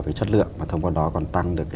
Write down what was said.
với chất lượng mà thông qua đó còn tăng được